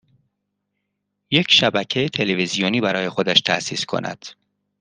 یک شبکه تلویزیونی برای خودش تاسیس کند